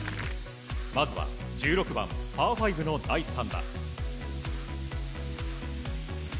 まずは１６番、パー５の第３打。